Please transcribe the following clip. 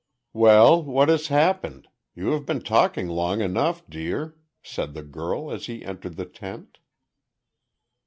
"Well, what has happened? You have been talking long enough, dear," said the girl, as he entered the tent.